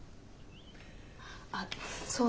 あっそうだ。